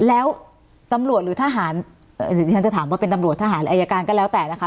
แล้วตำรวจหรือทหารที่ฉันจะถามว่าเป็นตำรวจทหารหรืออายการก็แล้วแต่นะคะ